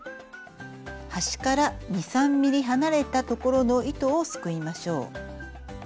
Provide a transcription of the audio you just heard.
端から２３ｍｍ離れた所の糸をすくいましょう。